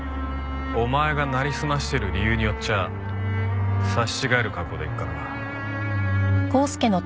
お前がなりすましてる理由によっちゃ刺し違える覚悟でいくからな。